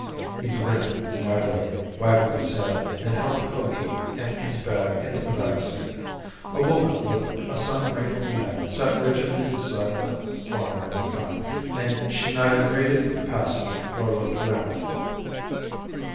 He grinned wryly, waggled his head, and helped Hogey and his bag into the back seat. A woman with a sun wrinkled neck sat rigidly beside the farmer in the front, and she neither greeted the passenger nor looked around.